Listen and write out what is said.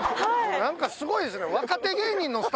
何かすごいですね。